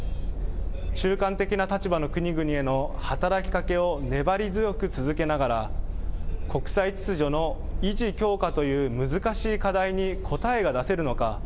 中間的な立場の国々への働きかけを粘り強く続けながら、国際秩序の維持、強化という難しい課題に答えが出せるのか。